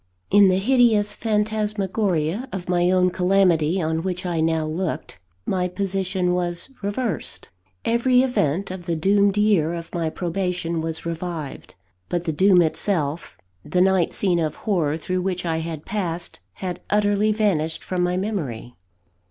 In the hideous phantasmagoria of my own calamity on which I now looked, my position was reversed. Every event of the doomed year of my probation was revived. But the doom itself, the night scene of horror through which I had passed, had utterly vanished from my memory.